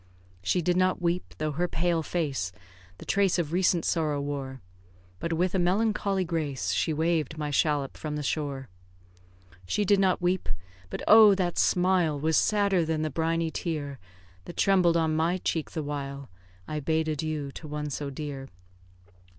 She did not weep, though her pale face The trace of recent sorrow wore; But, with a melancholy grace, She waved my shallop from the shore. She did not weep; but oh! that smile Was sadder than the briny tear That trembled on my cheek the while I bade adieu to one so dear.